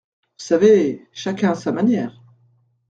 Vous savez… chacun a sa manière.